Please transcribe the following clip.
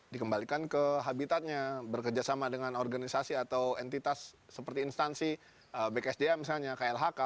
dikembalikan ke habitatnya bekerjasama dengan organisasi atau entitas seperti instansi bksdam misalnya klhk